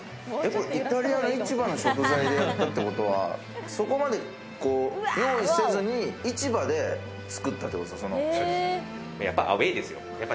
イタリアの市場の食材でやったってことは、そこまで用意せずに市場で作ったってことですか？